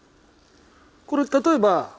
これ例えば。